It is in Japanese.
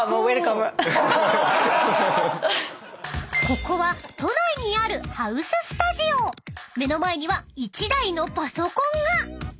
［ここは都内にあるハウススタジオ］［目の前には１台のパソコンが］